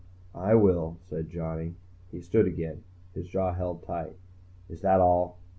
"I will," said Johnny. He stood again, his jaw held tight. "Is that all?"